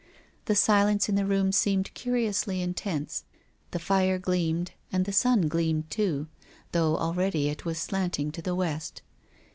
The silence in the room seemed curiously intense. The fire gleamed, and the sun gleamed too ; though already it was slanting to the West.